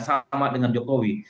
sama dengan jokowi